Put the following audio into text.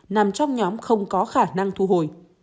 nằm trong nhóm không có khả năng thu hồi